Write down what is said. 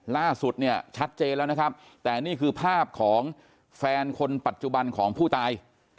ล่าสุดเนี่ยชัดเจนแล้วนะครับแต่นี่คือภาพของแฟนคนปัจจุบันของผู้ตาย